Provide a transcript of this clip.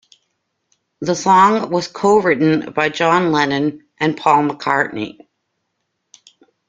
The song was co-written by John Lennon and Paul McCartney.